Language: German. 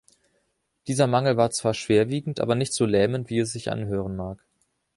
Dieser Mangel war zwar schwerwiegend, aber nicht so lähmend, wie es sich anhören mag.